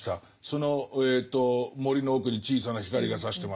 その森の奥に小さな光がさしてました。